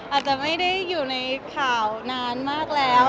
อาจจะไม่ได้อยู่ในข่าวนานมากแล้ว